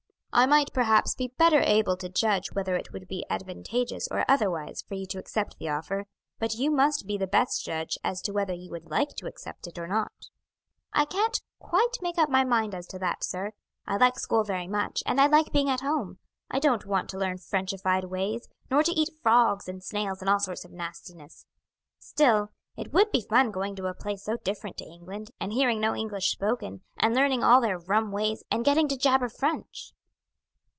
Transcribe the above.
"I might perhaps be better able to judge whether it would be advantageous or otherwise for you to accept the offer, but you must be the best judge as to whether you would like to accept it or not." "I can't quite make up my mind as to that, sir. I like school very much and I like being at home. I don't want to learn Frenchified ways, nor to eat frogs and snails and all sorts of nastiness; still, it would be fun going to a place so different to England, and hearing no English spoken, and learning all their rum ways, and getting to jabber French."